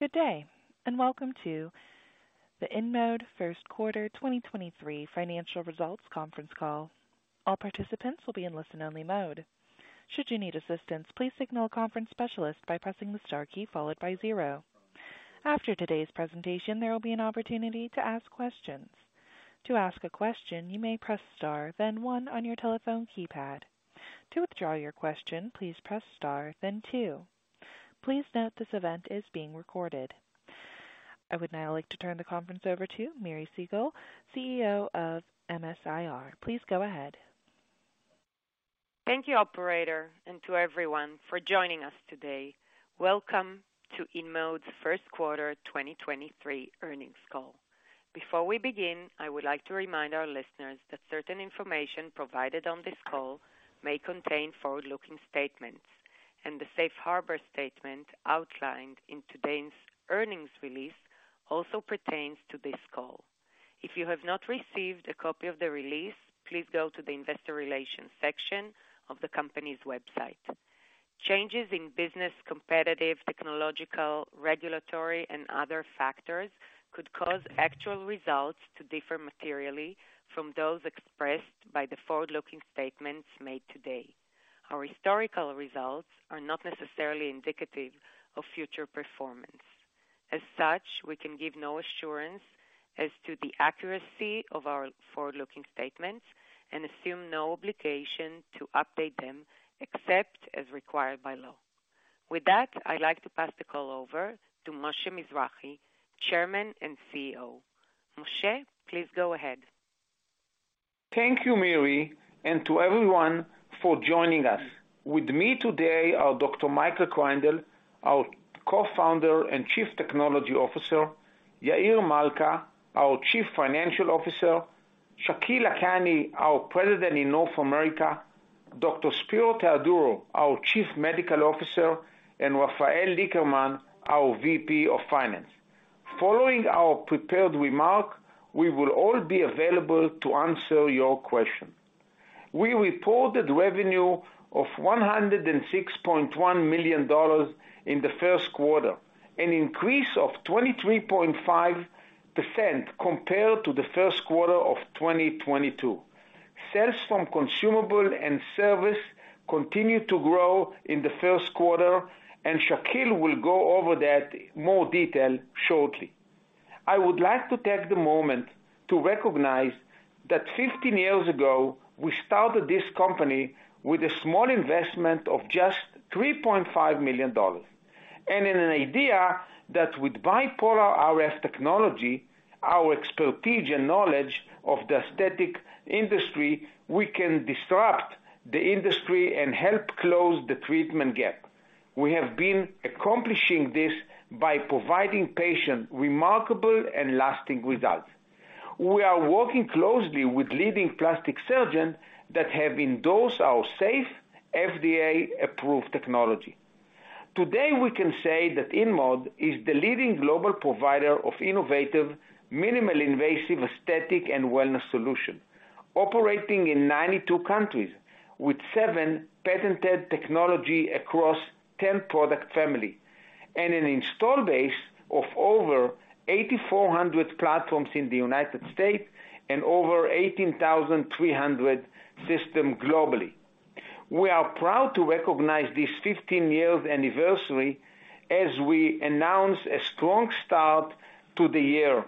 Good day, welcome to the InMode first quarter 2023 financial results conference call. All participants will be in listen-only mode. Should you need assistance, please signal a conference specialist by pressing the star key followed by 0. After today's presentation, there will be an opportunity to ask questions. To ask a question, you may press star then 1 on your telephone keypad. To withdraw your question, please press star then 2. Please note this event is being recorded. I would now like to turn the conference over to Miri Segal, CEO of MS-IR. Please go ahead. Thank you operator and to everyone for joining us today. Welcome to InMode's first quarter 2023 earnings call. Before we begin, I would like to remind our listeners that certain information provided on this call may contain forward-looking statements and the safe harbor statement outlined in today's earnings release also pertains to this call. If you have not received a copy of the release, please go to the investor relations section of the company's website. Changes in business, competitive, technological, regulatory and other factors could cause actual results to differ materially from those expressed by the forward-looking statements made today. Our historical results are not necessarily indicative of future performance. As such, we can give no assurance as to the accuracy of our forward-looking statements and assume no obligation to update them except as required by law. With that, I'd like to pass the call over to Moshe Mizrahy, Chairman and CEO. Moshe, please go ahead. Thank you, Miri, and to everyone for joining us. With me today are Dr. Michael Kreindel, our Co-founder and Chief Technology Officer, Yair Malca, our Chief Financial Officer, Shakil Lakhani, our President in North America, Dr. Spero Theodorou, our Chief Medical Officer, and Rafael Licker, our VP of Finance. Following our prepared remark, we will all be available to answer your question. We reported revenue of $106.1 million in the first quarter, an increase of 23.5% compared to the first quarter of 2022. Sales from consumable and service continued to grow in the first quarter. Shakil will go over that more detail shortly. I would like to take the moment to recognize that 15 years ago, we started this company with a small investment of just $3.5 million, and in an idea that with bipolar RF technology, our expertise and knowledge of the aesthetic industry, we can disrupt the industry and help close the treatment gap. We have been accomplishing this by providing patients remarkable and lasting results. We are working closely with leading plastic surgeons that have endorsed our safe FDA-approved technology. Today, we can say that InMode is the leading global provider of innovative, minimally invasive aesthetic and wellness solution, operating in 92 countries with 7 patented technology across 10 product family and an install base of over 8,400 platforms in the United States and over 18,300 system globally. We are proud to recognize this 15-year anniversary as we announce a strong start to the year.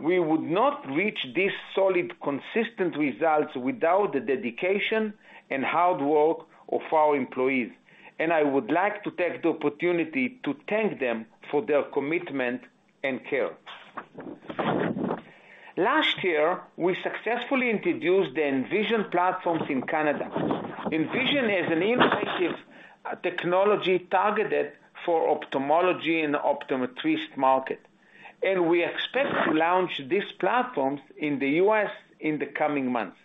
We would not reach these solid, consistent results without the dedication and hard work of our employees, and I would like to take the opportunity to thank them for their commitment and care. Last year, we successfully introduced the Envision platforms in Canada. Envision is an innovative technology targeted for ophthalmology and optometrist market, and we expect to launch these platforms in the U.S. in the coming months.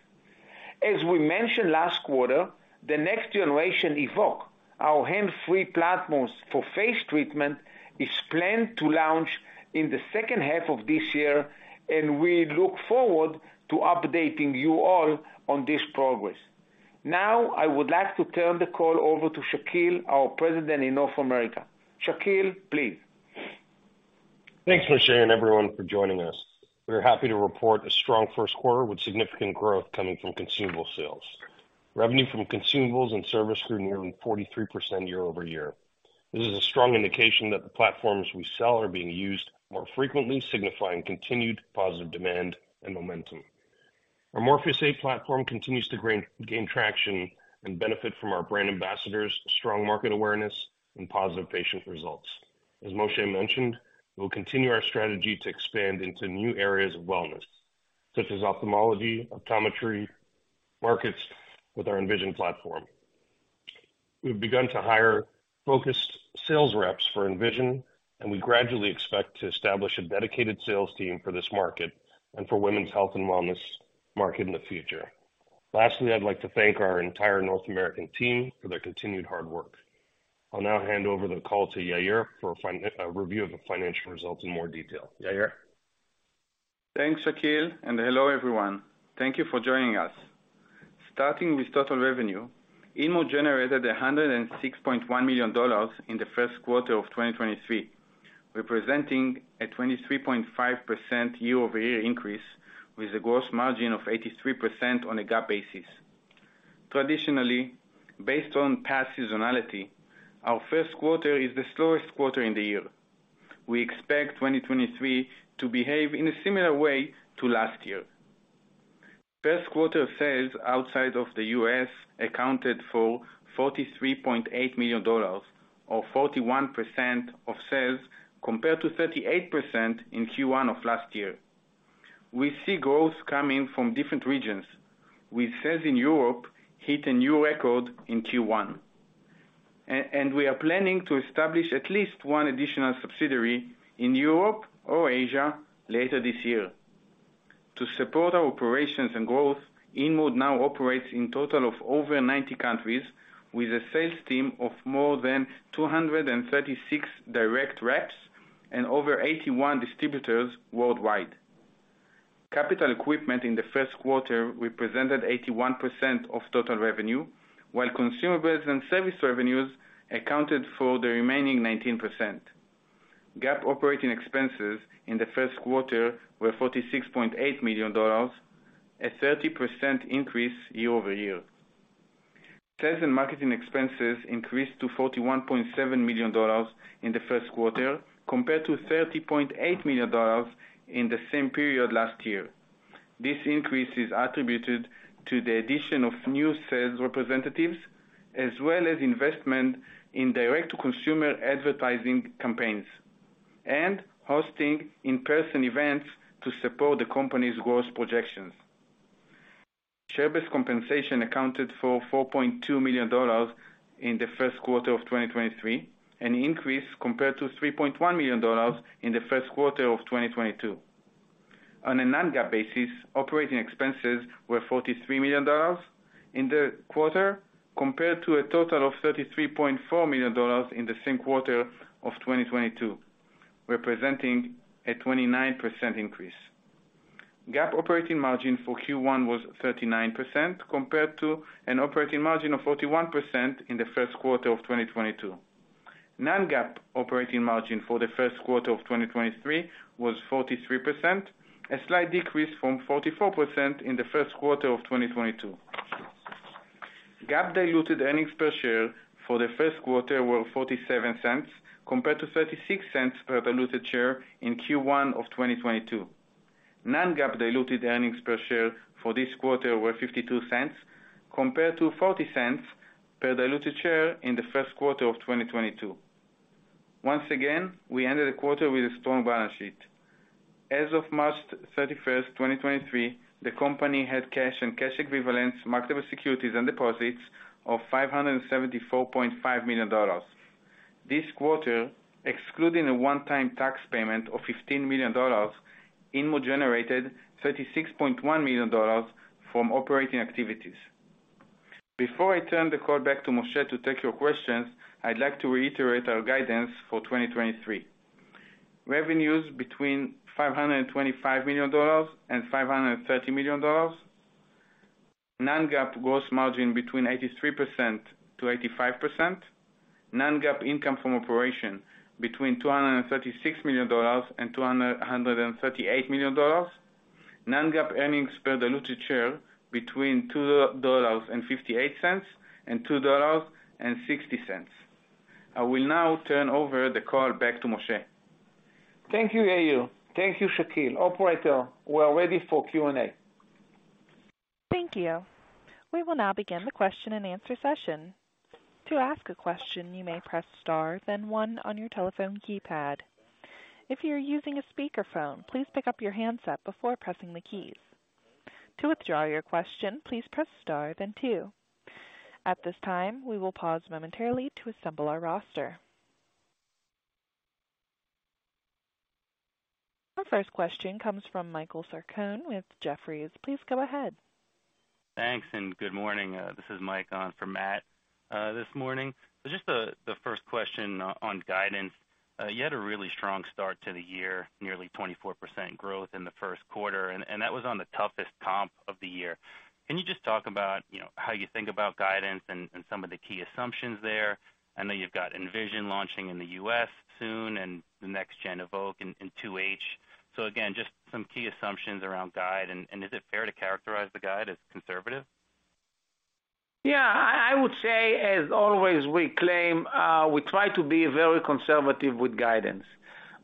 As we mentioned last quarter, the next generation Evoke, our hand free platforms for face treatment, is planned to launch in the second half of this year, and we look forward to updating you all on this progress. Now, I would like to turn the call over to Shakil, our President in North America. Shakil, please. Thanks Moshe and everyone for joining us. We are happy to report a strong first quarter with significant growth coming from consumable sales. Revenue from consumables and service grew nearly 43% year-over-year. This is a strong indication that the platforms we sell are being used more frequently, signifying continued positive demand and momentum. Our Morpheus8 platform continues to gain traction and benefit from our brand ambassadors, strong market awareness and positive patient results. As Moshe mentioned, we'll continue our strategy to expand into new areas of wellness, such as ophthalmology, optometry markets with our Envision platform. We've begun to hire focused sales reps for Envision, and we gradually expect to establish a dedicated sales team for this market and for women's health and wellness market in the future. I'd like to thank our entire North American team for their continued hard work. I'll now hand over the call to Yair for review of the financial results in more detail. Yair? Thanks, Shakil, and hello everyone. Thank you for joining us. Starting with total revenue, InMode generated $106.1 million in the first quarter of 2023, representing a 23.5% year-over-year increase with a gross margin of 83% on a GAAP basis. Traditionally, based on past seasonality, our first quarter is the slowest quarter in the year. We expect 2023 to behave in a similar way to last year. First quarter sales outside of the U.S. accounted for $43.8 million, or 41% of sales compared to 38% in Q1 of last year. We see growth coming from different regions, with sales in Europe hit a new record in Q1. We are planning to establish at least one additional subsidiary in Europe or Asia later this year. To support our operations and growth, InMode now operates in total of over 90 countries with a sales team of more than 236 direct reps and over 81 distributors worldwide. Capital equipment in the first quarter represented 81% of total revenue, while consumables and service revenues accounted for the remaining 19%. GAAP operating expenses in the first quarter were $46.8 million, a 30% increase year-over-year. Sales and marketing expenses increased to $41.7 million in the first quarter, compared to $30.8 million in the same period last year. This increase is attributed to the addition of new sales representatives, as well as investment in direct consumer advertising campaigns and hosting in-person events to support the company's growth projections. Share-based compensation accounted for $4.2 million in the first quarter of 2023, an increase compared to $3.1 million in the first quarter of 2022. On a non-GAAP basis, operating expenses were $43 million in the quarter, compared to a total of $33.4 million in the same quarter of 2022, representing a 29% increase. GAAP operating margin for Q1 was 39%, compared to an operating margin of 41% in the first quarter of 2022. Non-GAAP operating margin for the first quarter of 2023 was 43%, a slight decrease from 44% in the first quarter of 2022. GAAP diluted earnings per share for the first quarter were $0.47, compared to $0.36 per diluted share in Q1 of 2022. Non-GAAP diluted earnings per share for this quarter were $0.52, compared to $0.40 per diluted share in the first quarter of 2022. Once again, we ended the quarter with a strong balance sheet. As of March 31st, 2023, the company had cash and cash equivalents, marketable securities and deposits of $574.5 million. This quarter, excluding a one-time tax payment of $15 million, InMode generated $36.1 million from operating activities. Before I turn the call back to Moshe to take your questions, I'd like to reiterate our guidance for 2023. Revenues between $525 million and $530 million. Non-GAAP gross margin between 83%-85%. Non-GAAP income from operation between $236 million and $238 million. Non-GAAP earnings per diluted share between $2.58 and $2.60. I will now turn over the call back to Moshe. Thank you, Yair. Thank you, Shakil. Operator, we are ready for Q&A. Thank you. We will now begin the question and answer session. To ask a question, you may press star then one on your telephone keypad. If you're using a speakerphone, please pick up your handset before pressing the keys. To withdraw your question, please press star then two. At this time, we will pause momentarily to assemble our roster. Our first question comes from Michael Sarcone with Jefferies. Please go ahead. Thanks, and good morning, this is Mike on for Matt, this morning. Just the first question on guidance. You had a really strong start to the year, nearly 24% growth in the first quarter, and that was on the toughest comp of the year. Can you just talk about, you know, how you think about guidance and some of the key assumptions there? I know you've got Envision launching in the U.S. soon and the next gen Evoke in 2H. Again, just some key assumptions around guide. Is it fair to characterize the guide as conservative? Yeah. I would say as always, we claim, we try to be very conservative with guidance.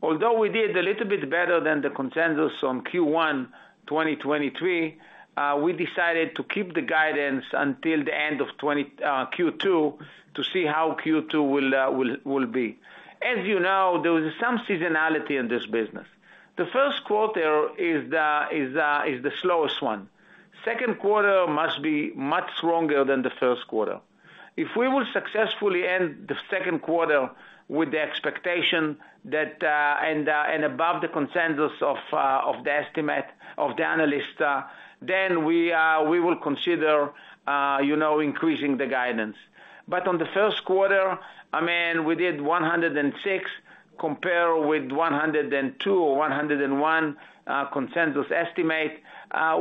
Although we did a little bit better than the consensus on Q1, 2023, we decided to keep the guidance until the end of Q2 to see how Q2 will be. As you know, there is some seasonality in this business. The first quarter is the slowest one. Second quarter must be much stronger than the first quarter. If we will successfully end the second quarter with the expectation that, and above the consensus of the estimate of the analyst, then we will consider, you know, increasing the guidance. On the first quarter, I mean, we did $106 compare with $102 or $101, consensus estimate.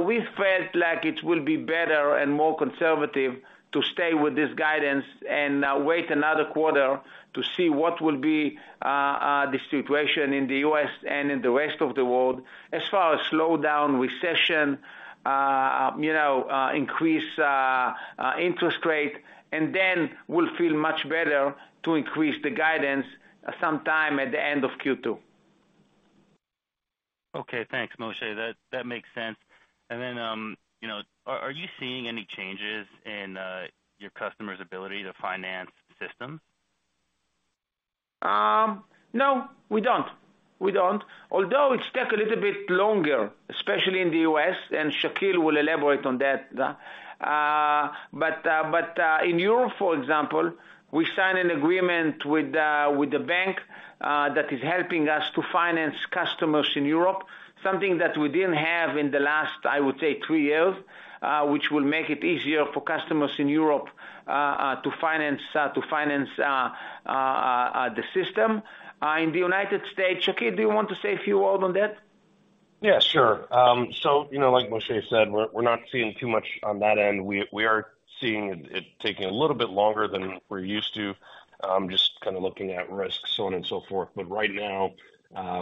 We felt like it will be better and more conservative to stay with this guidance and wait another quarter to see what will be the situation in the US and in the rest of the world as far as slowdown, recession, you know, increase, interest rate, and then we'll feel much better to increase the guidance sometime at the end of Q2. Okay. Thanks, Moshe. That makes sense. You know, are you seeing any changes in your customers' ability to finance systems? No, we don't. Although it's took a little bit longer, especially in the U.S., and Shakil will elaborate on that. In Europe, for example, we sign an agreement with the bank that is helping us to finance customers in Europe, something that we didn't have in the last, I would say, 3 years, which will make it easier for customers in Europe to finance the system. In the United States... Shakil, do you want to say a few word on that? Yeah, sure. You know, like Moshe said, we're not seeing too much on that end. We are seeing it taking a little bit longer than we're used to, just kind of looking at risks, so on and so forth. Right now,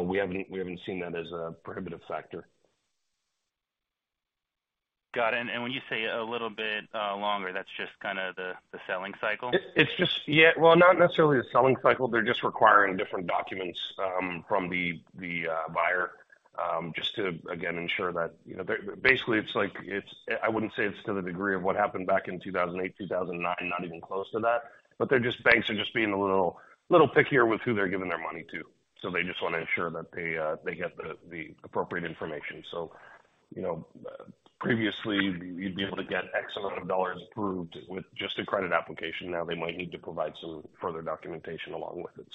we haven't seen that as a prohibitive factor. Got it. When you say a little bit longer, that's just kind of the selling cycle? It's just. Yeah. Well, not necessarily the selling cycle. They're just requiring different documents from the buyer, just to again ensure that, you know, they're. Basically, it's like it's, I wouldn't say it's to the degree of what happened back in 2008, 2009, not even close to that, but banks are just being a little pickier with who they're giving their money to. They just want to ensure that they get the appropriate information. Previously, you'd be able to get X amount of dollars approved with just a credit application. Now they might need to provide some further documentation along with it.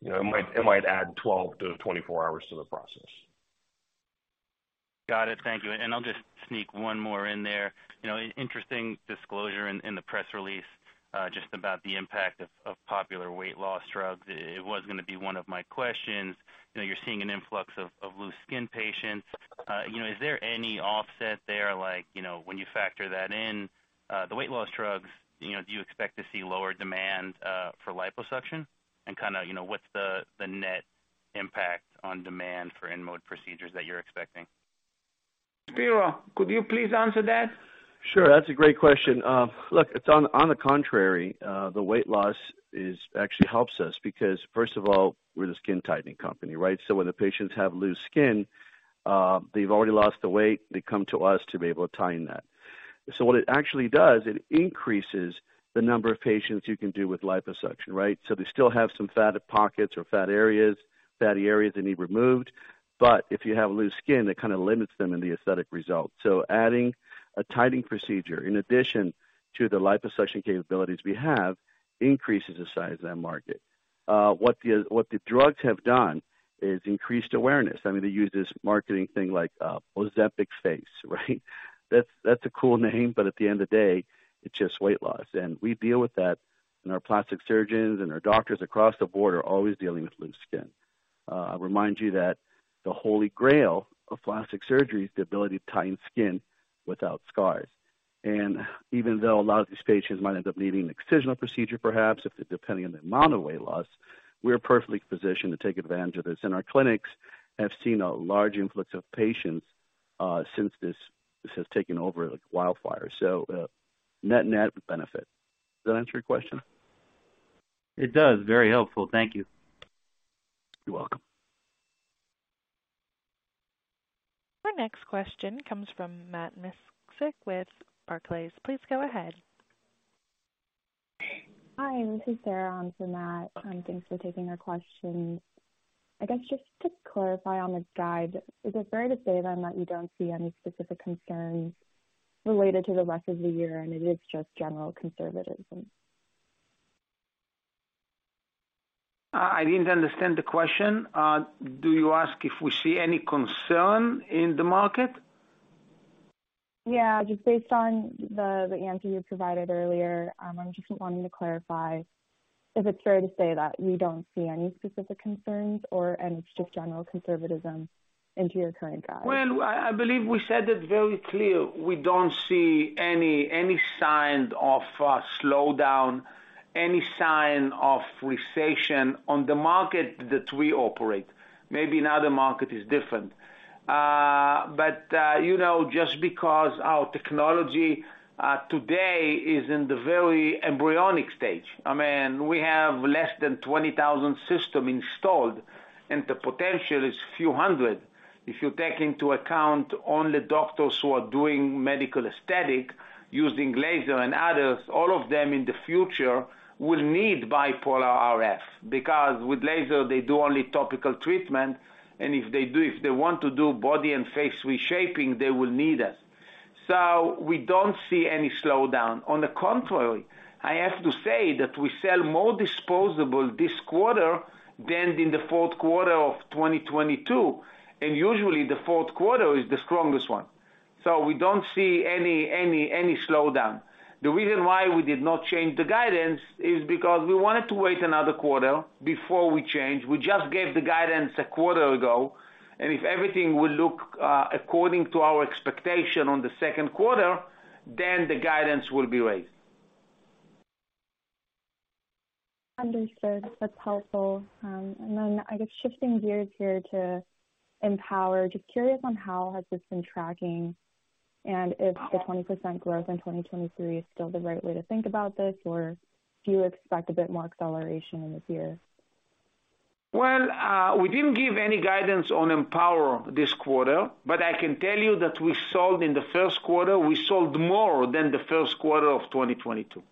It might add 12-24 hours to the process. Got it. Thank you. I'll just sneak one more in there. You know, interesting disclosure in the press release, just about the impact of popular weight loss drugs. It was gonna be one of my questions. You know, you're seeing an influx of loose skin patients. You know, is there any offset there, like, you know, when you factor that in, the weight loss drugs, you know, do you expect to see lower demand for liposuction and kind of, you know, what's the net impact on demand for InMode procedures that you're expecting? Spiro, could you please answer that? Sure. That's a great question. Look, it's on the contrary, the weight loss actually helps us because first of all, we're the skin tightening company, right? When the patients have loose skin, they've already lost the weight, they come to us to be able to tighten that. What it actually does, it increases the number of patients you can do with liposuction, right? They still have some fat pockets or fat areas, fatty areas that need removed. If you have loose skin, that kind of limits them in the aesthetic results. Adding a tightening procedure in addition to the liposuction capabilities we have, increases the size of that market. What the, what the drugs have done is increased awareness. I mean, they use this marketing thing like, Ozempic face, right? That's a cool name. At the end of the day, it's just weight loss. We deal with that, and our plastic surgeons and our doctors across the board are always dealing with loose skin. I remind you that the holy grail of plastic surgery is the ability to tighten skin without scars. Even though a lot of these patients might end up needing an excisional procedure, perhaps, if depending on the amount of weight loss, we're perfectly positioned to take advantage of this, and our clinics have seen a large influx of patients since this has taken over like wildfire. Net-net benefit. Does that answer your question? It does. Very helpful. Thank you. You're welcome. Our next question comes from Matt Miksic with Barclays. Please go ahead. Hi, this is Sarah on for Matt. Thanks for taking our question. I guess just to clarify on the guide, is it fair to say then that you don't see any specific concerns related to the rest of the year and it is just general conservatism? I didn't understand the question. Do you ask if we see any concern in the market? Yeah. Just based on the answer you provided earlier, I'm just wanting to clarify if it's fair to say that you don't see any specific concerns or, and it's just general conservatism into your current guide. I believe we said it very clear. We don't see any signs of a slowdown, any sign of recession on the market that we operate. Maybe another market is different. You know, just because our technology today is in the very embryonic stage. I mean, we have less than 20,000 system installed, and the potential is few hundred. If you take into account only doctors who are doing medical aesthetic using laser and others, all of them in the future will need bipolar RF because with laser, they do only topical treatment, and if they want to do body and face reshaping, they will need us. We don't see any slowdown. On the contrary, I have to say that we sell more disposable this quarter than in the fourth quarter of 2022, and usually the fourth quarter is the strongest one. We don't see any slowdown. The reason why we did not change the guidance is because we wanted to wait another quarter before we change. We just gave the guidance a quarter ago, and if everything will look, according to our expectation on the second quarter, then the guidance will be raised. Understood. That's helpful. I guess shifting gears here to EmpowerRF. Just curious on how has this been tracking and if the 20% growth in 2023 is still the right way to think about this, or do you expect a bit more acceleration in this year? Well, we didn't give any guidance on EmpowerRF this quarter, but I can tell you that in the first quarter, we sold more than the first quarter of 2022.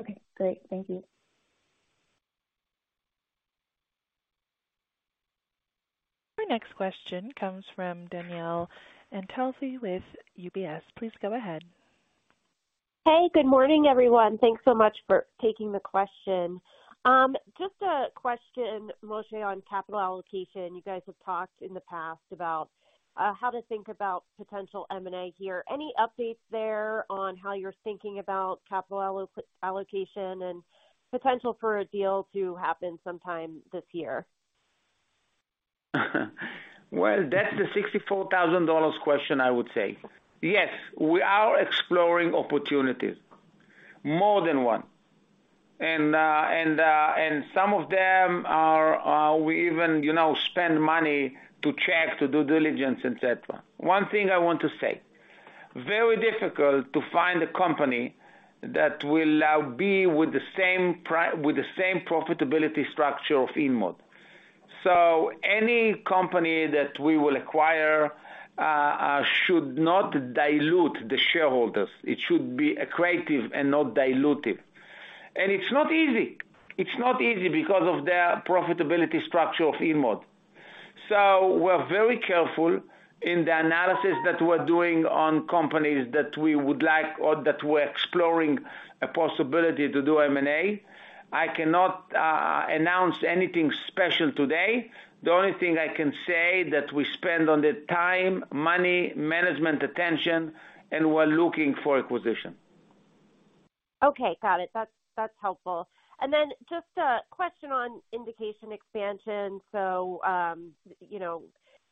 Okay, great. Thank you. Our next question comes from Danielle Antalffy with UBS. Please go ahead. Hey, good morning, everyone. Thanks so much for taking the question. Just a question, Moshe, on capital allocation. You guys have talked in the past about how to think about potential M&A here. Any updates there on how you're thinking about capital allocation and potential for a deal to happen sometime this year? Well, that's the $64,000 question, I would say. Yes, we are exploring opportunities, more than one. Some of them are, we even, you know, spend money to check, to due diligence, et cetera. One thing I want to say, very difficult to find a company that will be with the same profitability structure of InMode. Any company that we will acquire should not dilute the shareholders. It should be accretive and not dilutive. It's not easy. It's not easy because of the profitability structure of InMode. We're very careful in the analysis that we're doing on companies that we would like or that we're exploring a possibility to do M&A. I cannot announce anything special today. The only thing I can say that we spend on the time, money, management, attention, and we're looking for acquisition. Okay. Got it. That's helpful. Just a question on indication expansion. You know,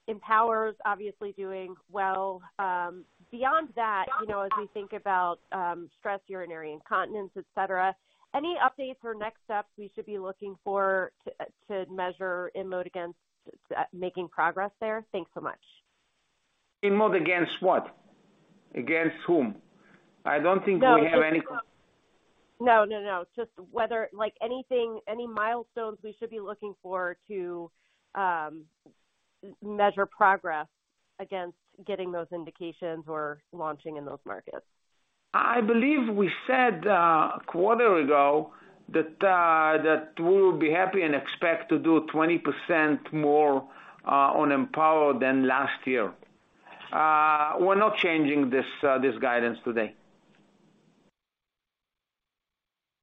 EmpowerRF is obviously doing well. Beyond that, you know, as we think about stress urinary incontinence, et cetera, any updates or next steps we should be looking for to measure InMode against making progress there? Thanks so much. InMode against what? Against whom? I don't think we have. No, no. Just whether like any milestones we should be looking for to measure progress against getting those indications or launching in those markets. I believe we said a quarter ago that we will be happy and expect to do 20% more on EmpowerRF than last year. We're not changing this guidance today.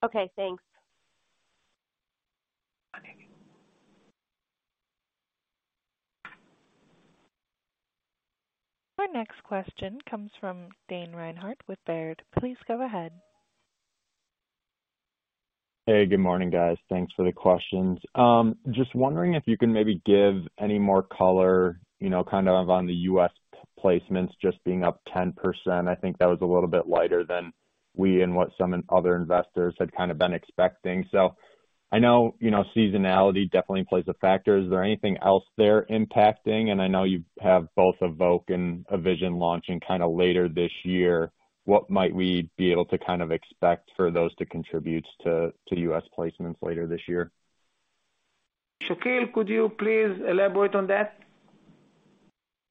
Okay, thanks. Our next question comes from Dane Reinhardt with Baird. Please go ahead. Good morning, guys. Thanks for the questions. Just wondering if you can maybe give any more color, you know, kind of on the U.S. placements just being up 10%. I think that was a little bit lighter than we and what some and other investors had kind of been expecting. I know, you know, seasonality definitely plays a factor. Is there anything else there impacting? I know you have both Evoke and Envision launching kind of later this year. What might we be able to kind of expect for those to contribute to U.S. placements later this year? Shakil, could you please elaborate on that?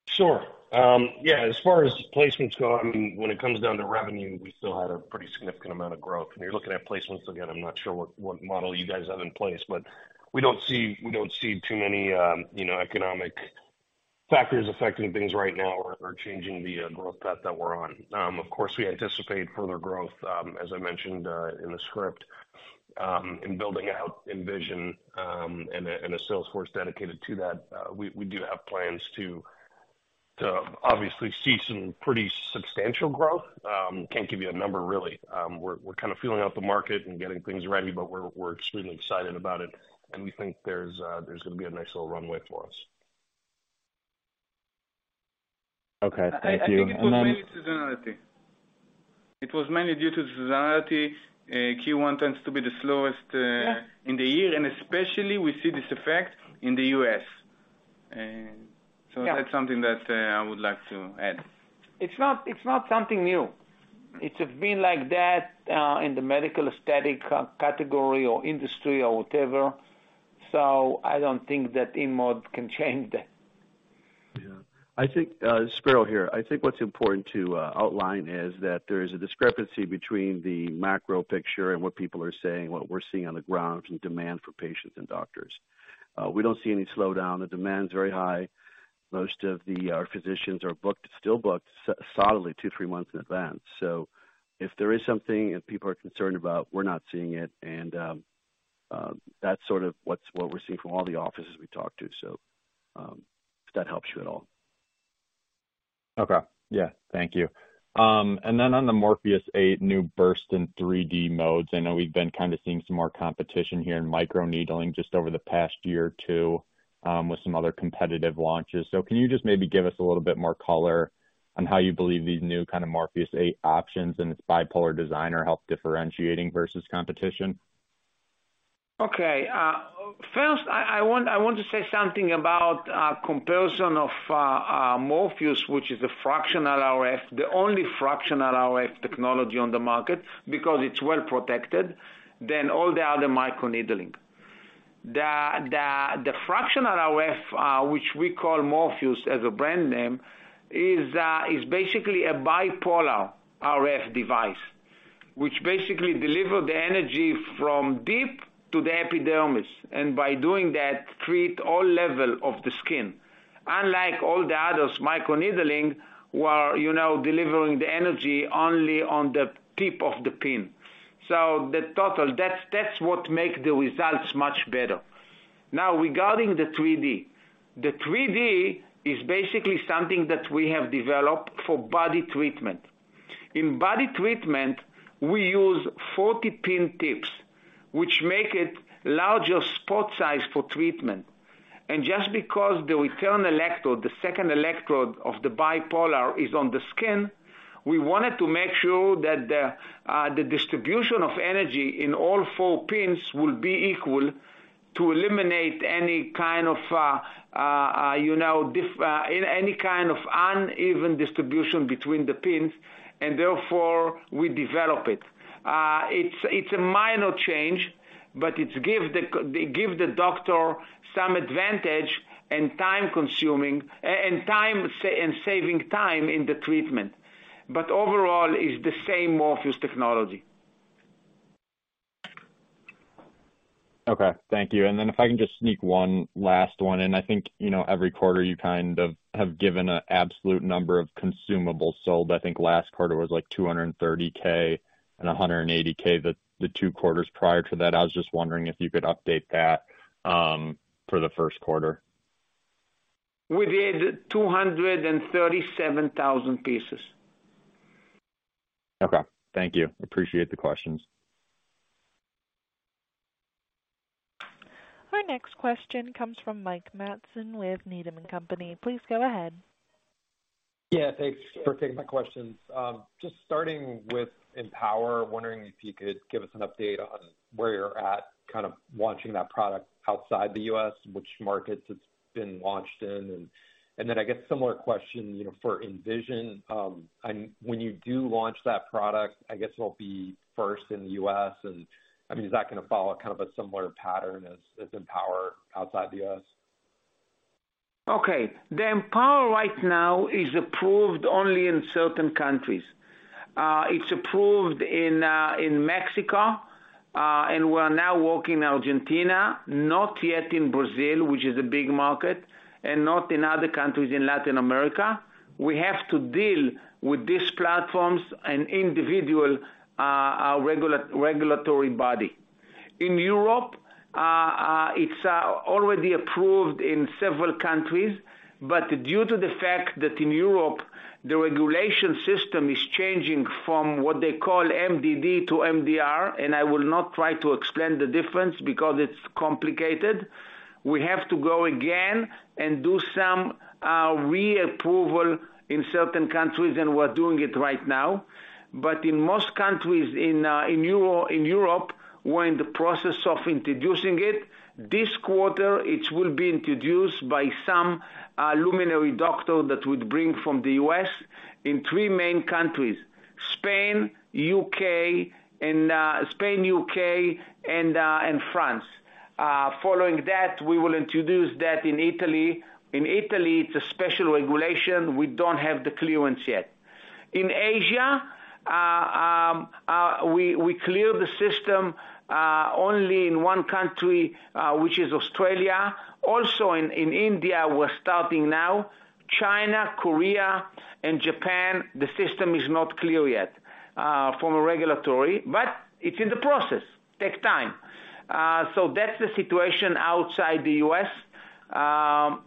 Sure. Yeah. As far as placements go, I mean, when it comes down to revenue, we still had a pretty significant amount of growth. When you're looking at placements, again, I'm not sure what model you guys have in place, but we don't see too many, you know, economic factors affecting things right now or changing the growth path that we're on. Of course, we anticipate further growth, as I mentioned in the script, in building out Envision, and a sales force dedicated to that. We do have plans to obviously see some pretty substantial growth. Can't give you a number, really. We're kind of feeling out the market and getting things ready. We're extremely excited about it. We think there's gonna be a nice little runway for us. Okay. Thank you. I think it was mainly seasonality. It was mainly due to seasonality. Q1 tends to be the slowest. Yeah In the year, especially we see this effect in the US. That's something that I would like to add. It's not something new. It's been like that in the medical aesthetic category or industry or whatever. I don't think that InMode can change that. Yeah. I think Spiro here. I think what's important to outline is that there is a discrepancy between the macro picture and what people are saying, what we're seeing on the ground in demand for patients and doctors. We don't see any slowdown. The demand's very high. Most of our physicians are booked, still booked so solidly two, three months in advance. If there is something and people are concerned about, we're not seeing it. That's sort of what we're seeing from all the offices we talk to, if that helps you at all. Okay. Yeah. Thank you. On the Morpheus8 new burst in 3D modes, I know we've been kind of seeing some more competition here in microneedling just over the past year or two, with some other competitive launches. Can you just maybe give us a little bit more color on how you believe these new kind of Morpheus8 options and its bipolar design are help differentiating versus competition? Okay. First I want to say something about comparison of Morpheus8, which is a fractional RF, the only fractional RF technology on the market because it's well protected than all the other microneedling. The fractional RF, which we call Morpheus8 as a brand name, is basically a bipolar RF device, which basically deliver the energy from deep to the epidermis, and by doing that, treat all level of the skin. Unlike all the others microneedling, we are delivering the energy only on the tip of the pin. That's what make the results much better. Regarding the 3D. The 3D is basically something that we have developed for body treatment. In body treatment, we use 40 pin tips, which make it larger spot size for treatment. Just because the return electrode, the second electrode of the bipolar is on the skin, we wanted to make sure that the distribution of energy in all four pins will be equal to eliminate any kind of, you know, any kind of uneven distribution between the pins and therefore we develop it. It's, it's a minor change, but it give the doctor some advantage and saving time in the treatment. Overall is the same Morpheus8 technology. Okay. Thank you. If I can just sneak one last one, and I think, you know, every quarter you kind of have given an absolute number of consumables sold. I think last quarter was like 230K and 180K the two quarters prior to that. I was just wondering if you could update that for the first quarter. We did 237,000 pieces. Okay. Thank you. Appreciate the questions. Our next question comes from Mike Matson with Needham & Company. Please go ahead. Yeah. Thanks for taking my questions. Just starting with EmpowerRF, wondering if you could give us an update on where you're at, kind of launching that product outside the U.S., which markets it's been launched in. Then I guess similar question, you know, for Envision. When you do launch that product, I guess it'll be first in the U.S. and, I mean, is that gonna follow kind of a similar pattern as EmpowerRF outside the U.S.? Okay. The EmpowerRF right now is approved only in certain countries. It's approved in Mexico, and we're now working in Argentina, not yet in Brazil, which is a big market, and not in other countries in Latin America. We have to deal with these platforms and individual regulatory body. In Europe, it's already approved in several countries, but due to the fact that in Europe, the regulation system is changing from what they call MDD to MDR, and I will not try to explain the difference because it's complicated. We have to go again and do some reapproval in certain countries, and we're doing it right now. In most countries in Europe, we're in the process of introducing it. This quarter, it will be introduced by some luminary doctor that we'd bring from the U.S. in 3 main countries, Spain, U.K. and France. Following that, we will introduce that in Italy. In Italy, it's a special regulation. We don't have the clearance yet. In Asia, we clear the system only in 1 country, which is Australia. Also in India, we're starting now. China, Korea and Japan, the system is not clear yet from a regulatory, but it's in the process. Take time. That's the situation outside the U.S.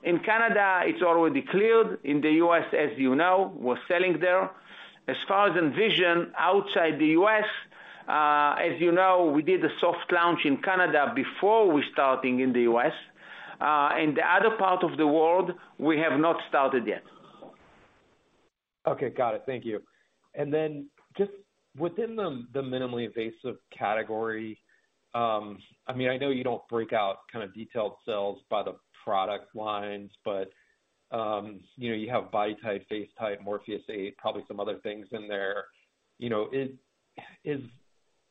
In Canada, it's already cleared. In the U.S., as you know, we're selling there. As far as Envision outside the U.S., as you know, we did a soft launch in Canada before we starting in the U.S. In the other part of the world, we have not started yet. Okay. Got it. Thank you. Then just within the minimally invasive category, I mean, I know you don't break out kind of detailed sales by the product lines, but, you know, you have BodyTite, FaceTite, Morpheus8, probably some other things in there. You know,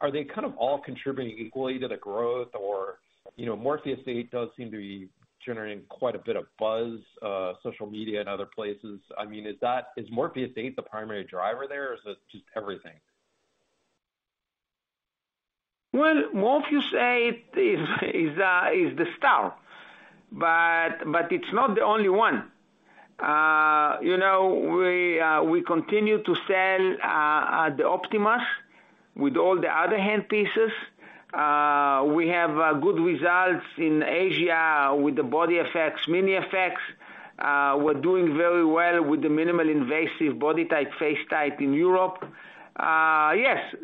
are they kind of all contributing equally to the growth or? You know, Morpheus8 does seem to be generating quite a bit of buzz, social media and other places. I mean, is Morpheus8 the primary driver there or is it just everything? Well, Morpheus8 is the star, but it's not the only one. You know, we continue to sell the Optimas with all the other hand pieces. We have good results in Asia with the BodyFX, MiniFX. We're doing very well with the minimal invasive BodyTite/FaceTite in Europe. Yes,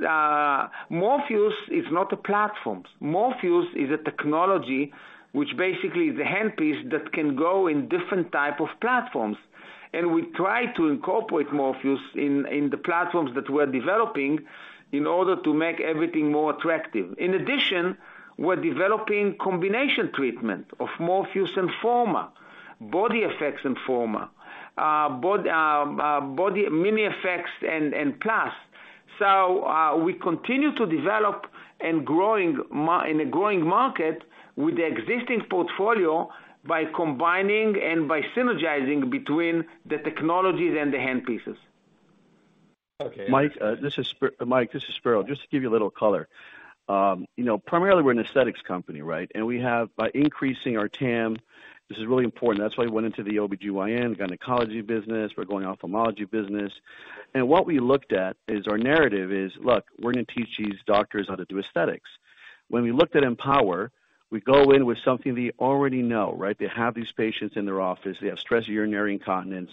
Morpheus8 is not a platform. Morpheus8 is a technology which basically is a handpiece that can go in different type of platforms. We try to incorporate Morpheus8 in the platforms that we're developing in order to make everything more attractive. In addition, we're developing combination treatment of Morpheus8 Forma, BodyFX Forma, Body MiniFX and Plus. We continue to develop in a growing market with the existing portfolio by combining and by synergizing between the technologies and the handpieces. Okay. Mike, this is Spero. Just to give you a little color. You know, primarily we're an aesthetics company, right? We have, by increasing our TAM, this is really important. That's why we went into the OBGYN, gynecology business. We're going ophthalmology business. What we looked at is our narrative is, look, we're gonna teach these doctors how to do aesthetics. When we looked at EmpowerRF, we go in with something they already know, right? They have these patients in their office. They have stress urinary incontinence.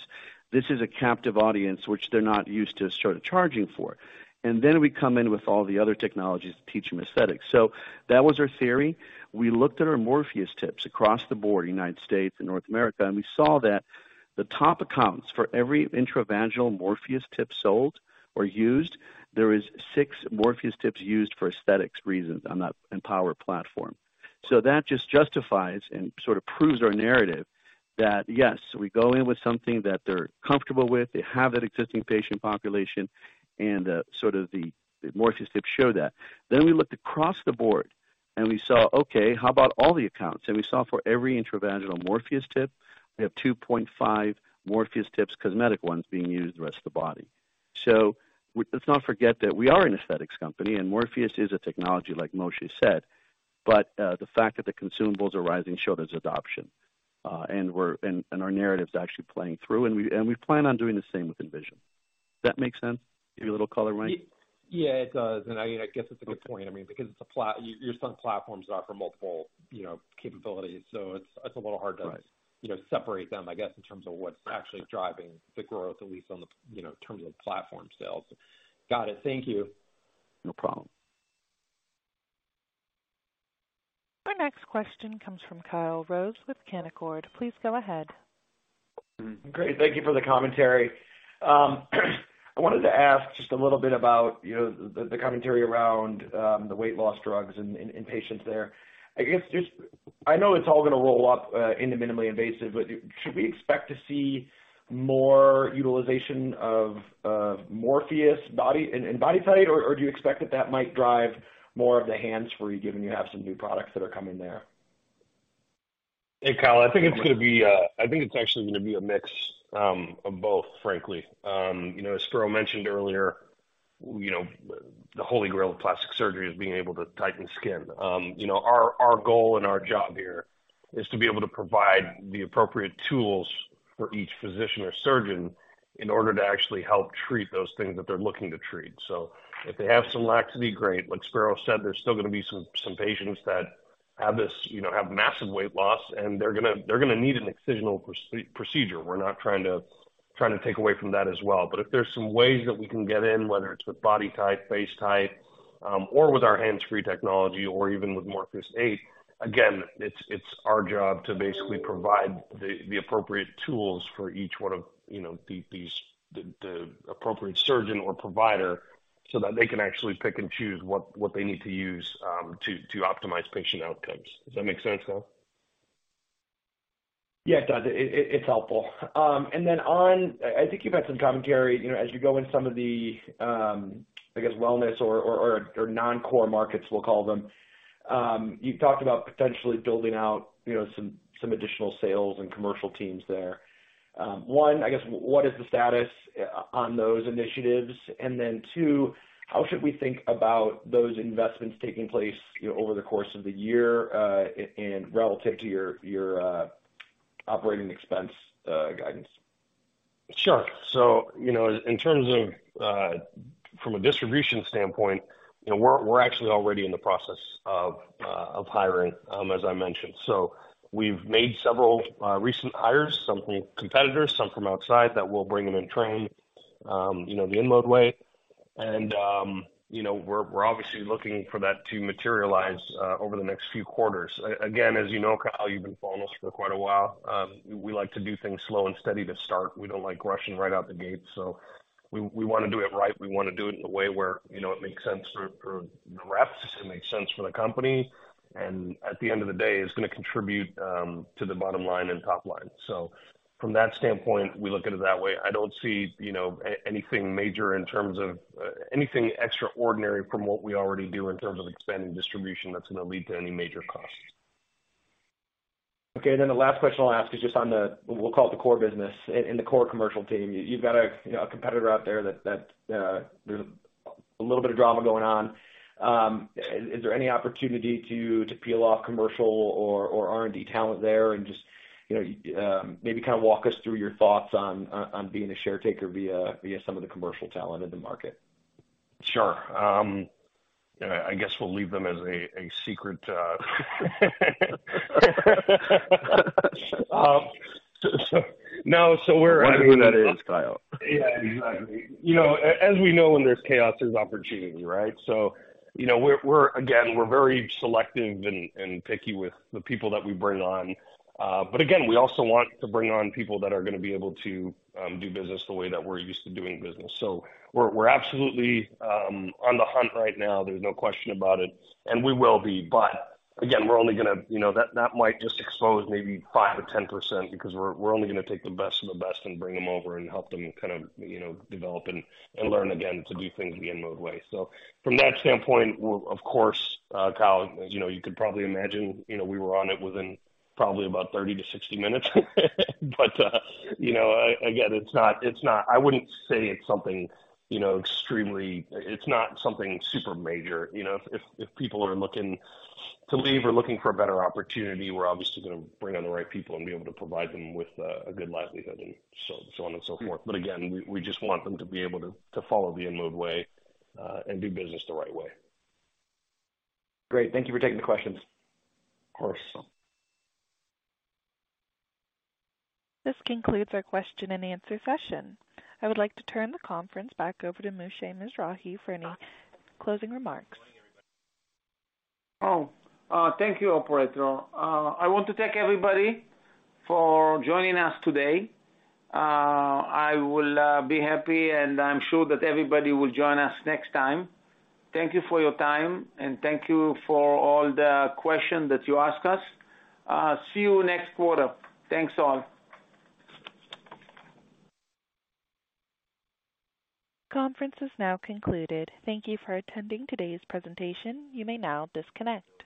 This is a captive audience which they're not used to sort of charging for. We come in with all the other technologies to teach them aesthetics. That was our theory. We looked at our Morpheus8 tips across the board, United States and North America. We saw that the top accounts for every intravaginal Morpheus8 tip sold or used, there is 6 Morpheus8 tips used for aesthetics reasons on that EmpowerRF platform. That just justifies and sort of proves our narrative that, yes, we go in with something that they're comfortable with. They have that existing patient population, and sort of the Morpheus8 tips show that. We looked across the board, and we saw, okay, how about all the accounts? We saw for every intravaginal Morpheus8 tip, we have 2.5 Morpheus8 tips, cosmetic ones being used the rest of the body. Let's not forget that we are an aesthetics company, and Morpheus8 is a technology like Moshe said. The fact that the consumables are rising shows adoption, and our narrative's actually playing through, and we, and we plan on doing the same with Envision. Does that make sense? Give you a little color, Mike? Yeah, it does. I guess it's a good point. I mean, because your platforms are for multiple, you know, capabilities, it's a little hard to... Right you know, separate them, I guess, in terms of what's actually driving the growth, at least on the, you know, in terms of platform sales. Got it. Thank you. No problem. Our next question comes from Kyle Rose with Canaccord. Please go ahead. Great. Thank you for the commentary. I wanted to ask just a little bit about, you know, the commentary around the weight loss drugs and patients there. I guess just I know it's all gonna roll up into minimally invasive, but should we expect to see more utilization of Morpheus8 body in BodyTite? Or do you expect that that might drive more of the hands for you, given you have some new products that are coming there? Hey, Kyle. I think it's actually gonna be a mix, of both, frankly. You know, as Spero mentioned earlier, you know, the holy grail of plastic surgery is being able to tighten skin. You know, our goal and our job here is to be able to provide the appropriate tools for each physician or surgeon in order to actually help treat those things that they're looking to treat. If they have some laxity, great. Like Spero said, there's still gonna be some patients that have this, you know, have massive weight loss, and they're gonna need an incisional procedure. We're not trying to take away from that as well. If there's some ways that we can get in, whether it's with BodyTite, FaceTite, or with our hands-free technology or even with Morpheus8, again, it's our job to basically provide the appropriate tools for each one of, you know, the appropriate surgeon or provider so that they can actually pick and choose what they need to use to optimize patient outcomes. Does that make sense, Kyle? Yeah, it does. It's helpful. Then I think you've had some commentary, you know, as you go in some of the, I guess, wellness or non-core markets, we'll call them. You've talked about potentially building out, you know, some additional sales and commercial teams there. One, I guess what is the status on those initiatives? Then two, how should we think about those investments taking place, you know, over the course of the year, and relative to your operating expense guidance? Sure. You know, in terms of, from a distribution standpoint, you know, we're actually already in the process of hiring, as I mentioned. We've made several recent hires, some from competitors, some from outside that we'll bring them in train, you know, the InMode way. You know, we're obviously looking for that to materialize over the next few quarters. Again, as you know, Kyle, you've been following us for quite a while. We like to do things slow and steady to start. We don't like rushing right out the gate. We wanna do it right. We wanna do it in a way where, you know, it makes sense for the reps, it makes sense for the company, and at the end of the day, it's gonna contribute to the bottom line and top line. From that standpoint, we look at it that way. I don't see, you know, anything major in terms of anything extraordinary from what we already do in terms of expanding distribution that's gonna lead to any major cost. Okay. The last question I'll ask is just on the, we'll call it the core business in the core commercial team. You've got a, you know, a competitor out there that there's a little bit of drama going on. Is there any opportunity to peel off commercial or R&D talent there and just, you know, maybe kind of walk us through your thoughts on being a share taker via some of the commercial talent in the market. Sure. I guess we'll leave them as a secret, so no. Whatever that is, Kyle. Yeah, exactly. You know, as we know, when there's chaos, there's opportunity, right? You know, we're again, we're very selective and picky with the people that we bring on. But again, we also want to bring on people that are gonna be able to do business the way that we're used to doing business. We're absolutely on the hunt right now, there's no question about it. We will be. Again, we're only gonna, you know, that might just expose maybe 5%-10% because we're only gonna take the best of the best and bring them over and help them kind of, you know, develop and learn again to do things the InMode way. From that standpoint, we're of course, Kyle, as you know, you could probably imagine, you know, we were on it within probably about 30 to 60 minutes. Again, you know, it's not. It's not something super major. You know, if people are looking to leave or looking for a better opportunity, we're obviously gonna bring on the right people and be able to provide them with a good livelihood and so on and so forth. Again, we just want them to be able to follow the InMode way and do business the right way. Great. Thank you for taking the questions. Of course. This concludes our question and answer session. I would like to turn the conference back over to Moshe Mizrahy for any closing remarks. Thank you, operator. I want to thank everybody for joining us today. I will be happy, and I'm sure that everybody will join us next time. Thank you for your time, and thank you for all the questions that you asked us. See you next quarter. Thanks, all. Conference is now concluded. Thank you for attending today's presentation. You may now disconnect.